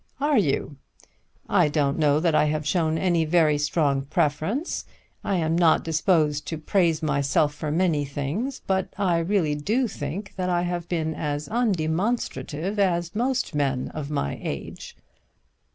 "Are you? I don't know that I have shown any very strong preference. I am not disposed to praise myself for many things, but I really do think that I have been as undemonstrative as most men of my age."